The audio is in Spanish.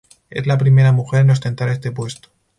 Es la primera mujer en ostentar este puesto.